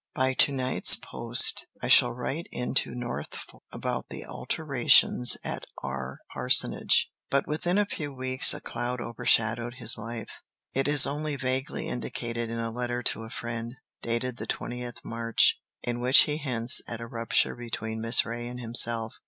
By to night's post I shall write into Norfolk about the alterations at our parsonage." But within a few weeks a cloud overshadowed his life. It is only vaguely indicated in a letter to a friend, dated the 20th March, in which he hints at a rupture between Miss Reay and himself.